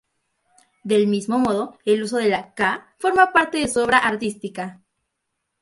Del mismo modo, el uso de la "k" forma parte de su obra artística.